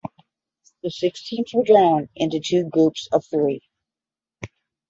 The six teams were drawn into two groups of three.